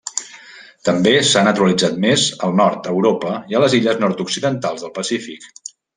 També s'ha naturalitzat més al nord a Europa i a les illes nord-occidentals del Pacífic.